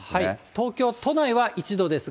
東京都内は１度ですが、